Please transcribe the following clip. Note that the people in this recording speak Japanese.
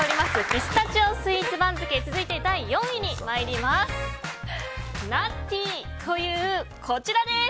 ピスタチオスイーツ番付続いて第４位に参ります。